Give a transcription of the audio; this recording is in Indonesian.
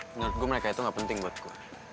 menurut gua mereka itu ga penting buat gua